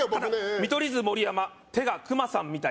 「見取り図・盛山手が熊さんみたい」